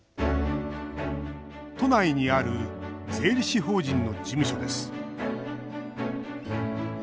都内にある税理士法人の事務所です。